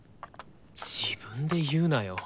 自分で言うなよ。